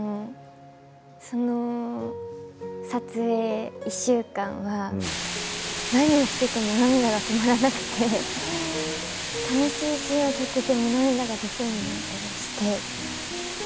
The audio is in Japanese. その撮影１週間は何をしていても涙が止まらなくて楽しいシーンを撮っていても涙が出そうになったりして。